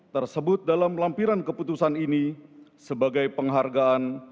tersebut dalam lampiran keputusan ini sebagai penghargaan